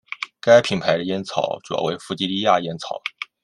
该品牌的烟草主要为弗吉尼亚烟草。